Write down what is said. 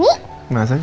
ganti dengan obama